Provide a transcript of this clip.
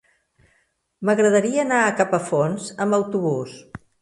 M'agradaria anar a Capafonts amb autobús.